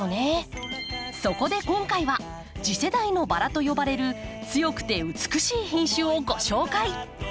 そこで今回は次世代のバラと呼ばれる強くて美しい品種をご紹介。